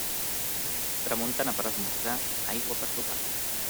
Tramuntana per esmorzar, aigua per sopar.